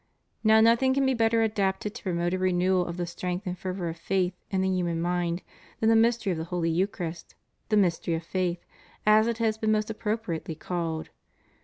Now nothing can be better adapted to promote a renewal of the strength and fervor of faith in the human mind than the mystery of the Eucharist, the "mystery of faith," as it has been most appropriately called.